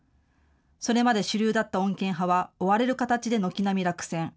それまで主流だった穏健派は追われる形で軒並み落選。